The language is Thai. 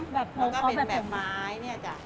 แล้วก็เป็นแบบไม้เนี่ยจ้ะ